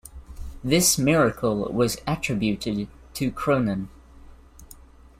This miracle was attributed to Cronan.